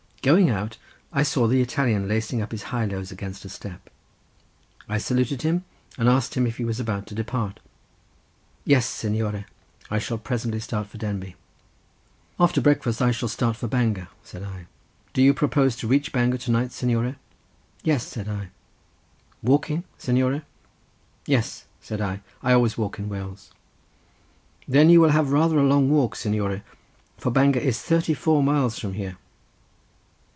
Going out I saw the Italian lacing up his highlows against a step. I saluted him, and asked him if he was about to depart. "Yes, signore; I shall presently start for Denbigh." "After breakfast I shall start for Bangor," said I. "Do you propose to reach Bangor to night, signore?" "Yes," said I. "Walking, signore?" "Yes," said I; "I always walk in Wales." "Then you will have rather a long walk, signore, for Bangor is thirty four miles from here."